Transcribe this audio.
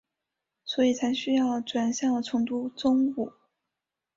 所以才需要转校重读中五。